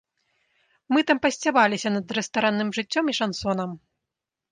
Мы там пасцябаліся над рэстаранным жыццём і шансонам.